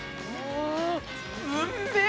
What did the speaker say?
◆うんめえ！